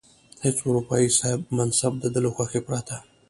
هیڅ اروپايي صاحب منصب د ده له خوښې پرته.